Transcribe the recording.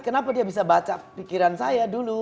kenapa dia bisa baca pikiran saya dulu